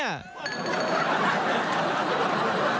หนุน้อย